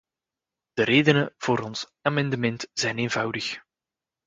De redenen voor ons amendement zijn eenvoudig.